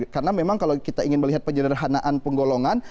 karena memang kalau kita ingin melihat penjederhanaan penggolongan